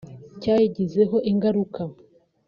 cyayigizeho ingaruka